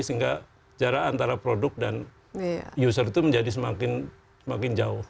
sehingga jarak antara produk dan user itu menjadi semakin jauh